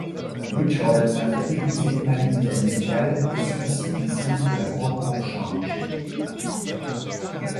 Richards la fait écouter à l'éditeur musical et celui-ci décide la prendre en charge.